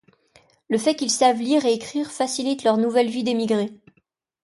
Le fait qu'ils savent lire et écrire facilite leur nouvelle vie d'émigrés.